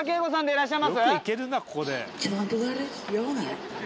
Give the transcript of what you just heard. いい。